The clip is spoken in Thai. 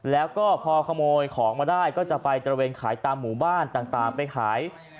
แล้วก็พอขโมยของมาได้ก็จะไปตระเวนขายตามหมู่บ้านต่างไปขาย